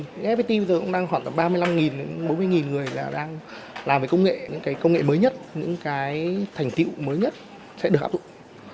fpt bây giờ cũng đang khoảng ba mươi năm đến bốn mươi người đang làm với công nghệ những công nghệ mới nhất những thành tựu mới nhất sẽ được áp dụng